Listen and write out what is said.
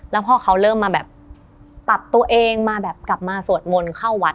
แล้วพอเขาเริ่มมาแบบตัดตัวเองมาแบบกลับมาสวดมนต์เข้าวัด